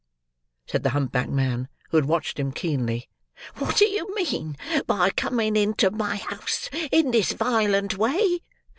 said the hump backed man, who had watched him keenly, "what do you mean by coming into my house, in this violent way?